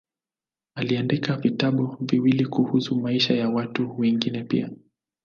Aliandika vitabu viwili kuhusu maisha ya watu wengine pia.